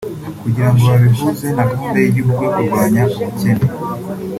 kugira ngo babihuze na gahunda y’igihugu yo kurwanya ubukene